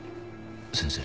先生。